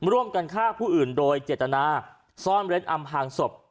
ร่วมกันฆ่าผู้อื่นโดยเจตนาซ่อนเร้นอำพางศพ